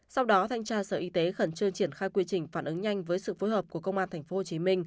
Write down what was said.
sau đó thanh tra sở y tế khẩn trương triển khai quy trình phản ứng nhanh với sự phối hợp của công an tp hcm